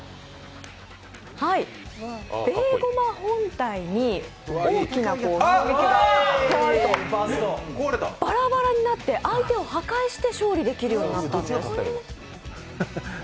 ベーゴマ本体に大きな衝撃が加わるとバラバラになって相手を破壊できるようになったんです。